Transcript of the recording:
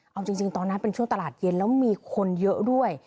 เอาจริงตอนนั้นเป็นช่วงตลาดเย็นแล้วมีคนเยอะด้วย